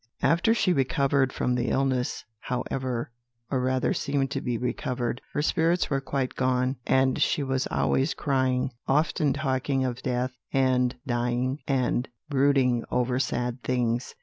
"After she recovered from this illness, however or rather seemed to be recovered her spirits were quite gone; and she was always crying, often talking of death and dying, and brooding over sad things.